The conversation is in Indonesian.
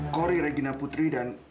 kori regina putri di